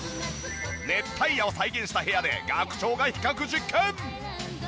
熱帯夜を再現した部屋で学長が比較実験！